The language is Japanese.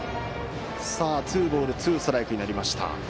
ツーボールツーストライクになりました。